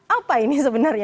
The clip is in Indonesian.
apa ini sebenarnya